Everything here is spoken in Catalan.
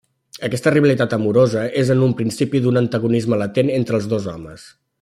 Aquesta rivalitat amorosa és en un principi d'un antagonisme latent entre els dos homes.